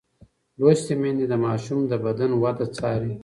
لوستې میندې د ماشوم د بدن وده څاري.